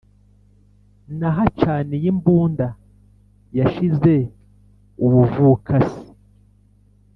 nahacaniye imbunda yashize ubuvukasi